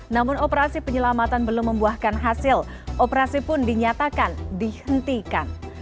namun operasi penyelamatan belum membuahkan hasil operasi pun dinyatakan dihentikan